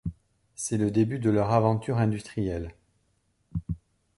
C'est le début de leur aventure industrielle.